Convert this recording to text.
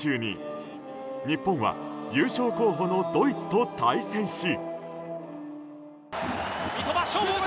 日本は優勝候補のドイツと対戦し。